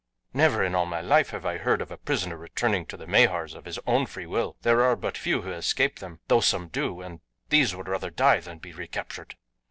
Never in all my life have I heard of a prisoner returning to the Mahars of his own free will. There are but few who escape them, though some do, and these would rather die than be recaptured."